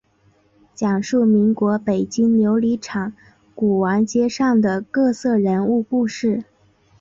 讲述民国北京琉璃厂古玩街上的各色人物故事。